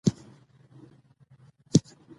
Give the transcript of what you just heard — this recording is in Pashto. د ښځو لپاره د زده کړې زمینه برابریږي.